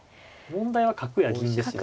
問題は角や銀ですね。